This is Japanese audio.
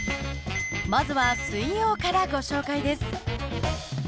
まずは水曜からご紹介です。